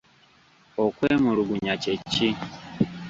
Okwemulugunya kye ki?